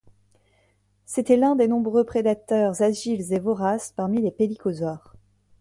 C'était l'un des nombreux prédateurs agiles et voraces parmi les pélycosaures.